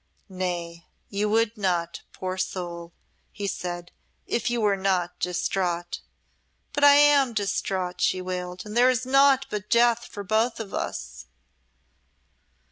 "Nay, you would not, poor soul," he said, "if you were not distraught." "But I am distraught," she wailed; "and there is naught but death for both of us."